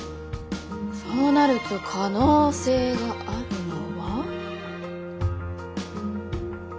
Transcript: そうなると可能性があるのは？